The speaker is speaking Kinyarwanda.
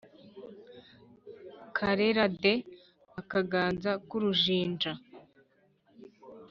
Karera de !!-Akaganza k'urujinja.